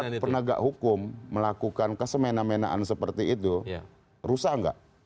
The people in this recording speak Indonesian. kalau penegak hukum melakukan kesemena menaan seperti itu rusak nggak